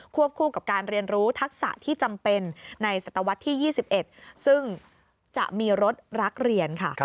คู่กับการเรียนรู้ทักษะที่จำเป็นในศตวรรษที่๒๑ซึ่งจะมีรถรักเรียนค่ะ